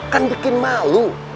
kan bikin malu